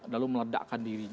lalu meledakkan diri